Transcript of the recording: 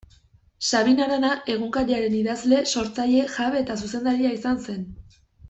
Sabin Arana egunkariaren idazle, sortzaile, jabe eta zuzendaria izan zen.